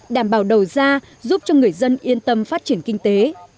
đảm bảo đầu ra giúp cho người dân yên tâm phát triển kinh tế